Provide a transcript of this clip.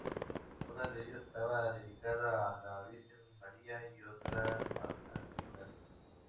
Una de ellas estaba dedicada a la Virgen María y otra a San Nicolás.